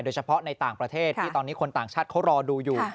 โดยเฉพาะในต่างประเทศที่ตอนนี้คนต่างชัดเขารอดูอยู่